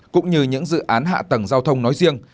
cũng như những dự án hạ tầng giao thông nói riêng